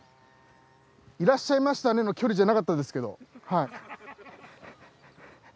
いらっしゃいましたねの距離じゃなかったですけど。